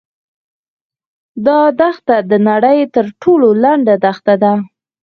دا دښته د نړۍ تر ټولو لنډه دښته ده.